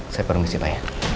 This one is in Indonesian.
saya permisi pak en